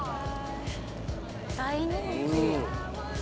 大人気。